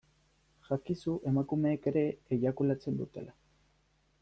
Jakizu emakumeek ere eiakulatzen dutela.